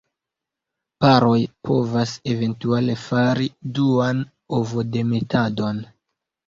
Paroj povas eventuale fari duan ovodemetadon.